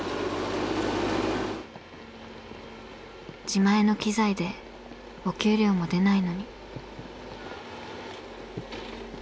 自前の機材でお給料も出ないのに。